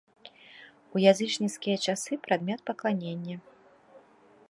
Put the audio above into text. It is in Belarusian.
У язычніцкія часы прадмет пакланення.